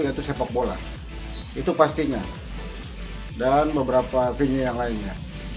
yaitu sepak bola itu pastinya dan beberapa venue yang lainnya